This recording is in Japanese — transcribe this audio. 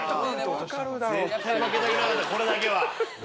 絶対負けたくなかったこれだけは。